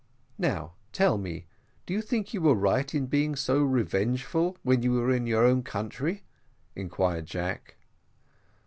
"Now, tell me, do you think you were right in being so revengeful, when you were in your own country?" inquired Jack.